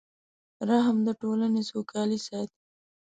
رحم د ټولنې سوکالي ساتي.